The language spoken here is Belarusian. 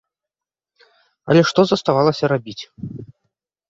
Але што заставалася рабіць?